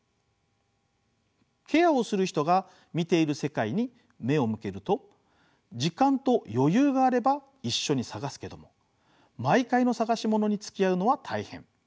ケアをする人が見ている世界に目を向けると時間と余裕があれば一緒に探すけども毎回の探し物に付き合うのは大変。